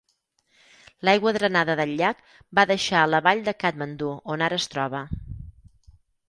L'aigua drenada del llac, va deixar a la vall de Kàtmandu on ara es troba.